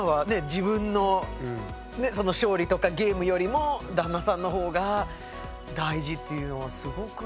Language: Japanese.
自分の勝利とかゲームよりも旦那さんの方が大事っていうのはすごくいい。